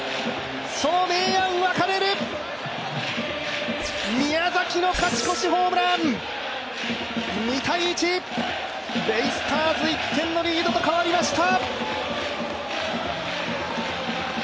明暗分かれる、宮崎の勝ち越しホームラン２−１、ベイスターズ１点のリードと変わりました。